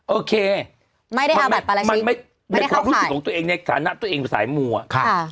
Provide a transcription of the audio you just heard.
โอเคมันเป็นความรู้สึกของตัวเองในสถานะตัวเองสายมูย